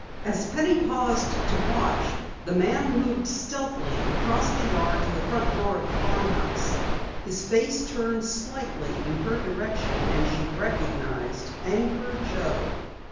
As Penny paused to watch, the man moved stealthily across the yard to the front door of the farmhouse. His face turned slightly in her direction, and she recognized Anchor Joe.